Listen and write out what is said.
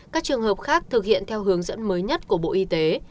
các trường hợp khác thực hiện theo hướng dẫn mới nhất của bộ y tế